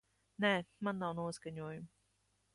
Nē, man nav noskaņojuma.